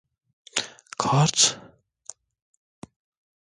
Kart…